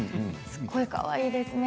すごくかわいいですね。